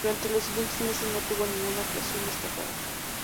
Durante los siguientes meses no tuvo ninguna actuación destacada.